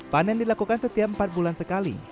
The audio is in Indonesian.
panen dilakukan setiap empat bulan sekali